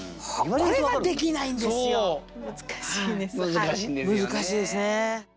難しいんですよね。